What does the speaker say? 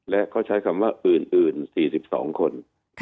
และเขาใช้คำว่าอื่น๔๒คน